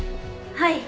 はい。